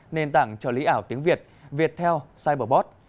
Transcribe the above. nền tảng trợ lý ảo tiếng việt viettel cyberbot